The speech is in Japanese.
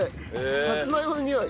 サツマイモのにおい。